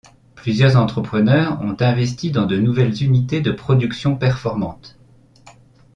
Plusieurs entrepreneurs ont investis dans de nouvelles unités de production performantes.